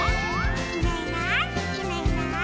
「いないいないいないいない」